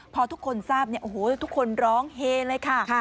พอทุกคนทราบเนี่ยโอ้โหทุกคนร้องเฮเลยค่ะ